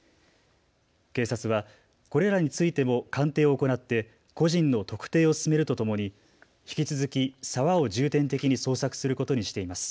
警察はこれらについても鑑定を行って個人の特定を進めるとともに引き続き沢を重点的に捜索することにしています。